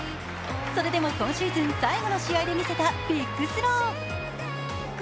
それでも今シーズン最後の試合で見せたビッグスロー。